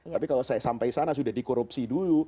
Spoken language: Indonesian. tapi kalau saya sampai sana sudah di korupsi dulu